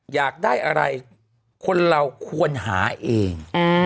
อยากได้อะไรคนเราควรหาเอง